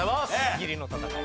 ギリの戦い。